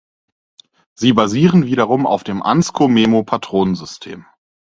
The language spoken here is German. Sie basieren wiederum auf dem Ansco-Memo-Patronensystem.